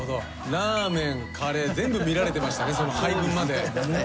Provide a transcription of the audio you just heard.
ラーメンカレー全部見られてましたね配分まで。